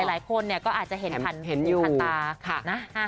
หลายคนก็อาจจะเห็นผ่านตา